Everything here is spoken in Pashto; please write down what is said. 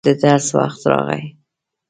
د درس وخت راغی.